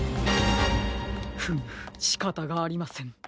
フムしかたがありません。